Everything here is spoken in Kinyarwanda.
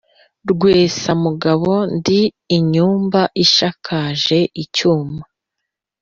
Rwesamugabo ndi inyumba ishakaje icyuma